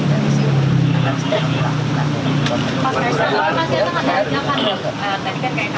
kalau saya rasa mbak puan